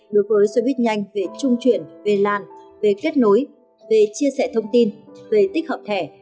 đối với xe buýt nhanh về trung chuyển về lan về kết nối về chia sẻ thông tin về tích hợp thẻ